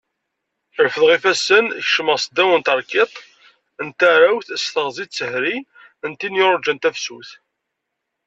Refdeɣ ifassen kecmeɣ seddaw n tarkiḍṭ n tarawt s teɣzi d tehri n tin yurjan tafsut.